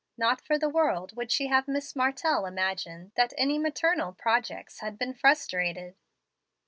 Not for the world would she have Miss Martell imagine that any maternal projects had been frustrated.